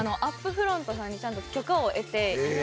フロントさんにちゃんと許可を得て。